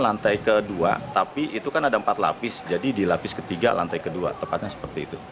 lantai kedua tapi itu kan ada empat lapis jadi di lapis ketiga lantai kedua tepatnya seperti itu